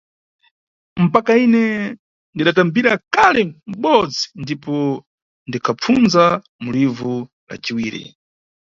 Mpaka ine ndidatambira kale mʼbodzi ndipo ndikhapfunza mu livu la ciwiri.